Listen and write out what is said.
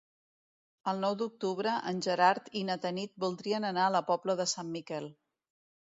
El nou d'octubre en Gerard i na Tanit voldrien anar a la Pobla de Sant Miquel.